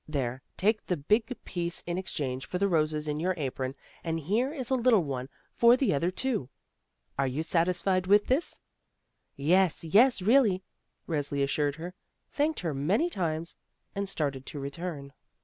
There, take the big piece in exchange for the roses in your apron, and here is a little one for the other two. Are you satis fied with this?" "Yes, yes, really," Resli assured her, thanked her many times, and started to return.